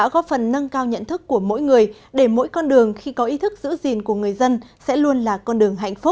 các nhóm khác nhau